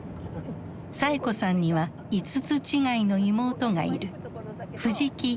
サエ子さんには５つ違いの妹がいる。